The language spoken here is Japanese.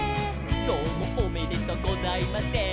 「どうもおめでとうございません」